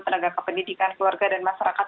tenaga kependidikan keluarga dan masyarakat